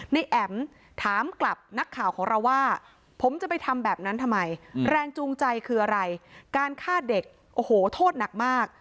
แอ๋มถามกลับนักข่าวของเราว่าผมจะไปทำแบบนั้นทำไมแรงจูงใจคืออะไรการฆ่าเด็กโอ้โหโทษหนักมาก